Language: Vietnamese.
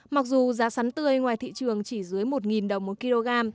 mặc dù giá sắn tươi ngoài thị trường chỉ dưới một đồng một kg